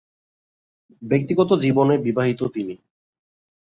ব্যক্তিগত জীবনে বিবাহিত তিনি।